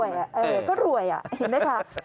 แต่ก็รวยอ่ะเห็นไหมคะ